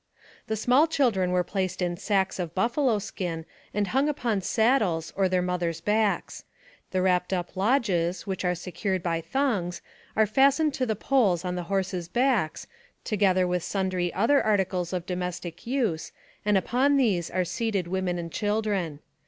The small children are placed in sacks of buffalo skin and hung upon saddles or their mothers' backs. The wrapped up lodges, which are secured by thongs, are fastened to the poles on the horses' backs, together with sundry other articles of domestic use, and upon these are seated women and children.